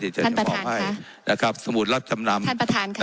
ที่จะขอบให้นะครับสมุดรับจำนำท่านประทานครับ